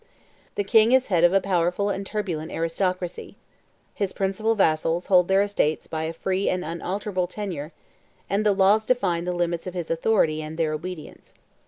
The king is head of a powerful and turbulent aristocracy: his principal vassals hold their estates by a free and unalterable tenure; and the laws define the limits of his authority and their obedience.